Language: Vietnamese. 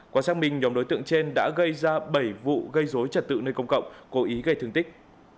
quả sáng mình nhóm đối tượng trên đã gây ra bảy vụ gây dối trật tự nơi công cộng cố ý gây thương tích